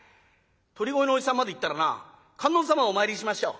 鳥越のおじさんまで行ったらな観音様をお参り済ませちゃおう。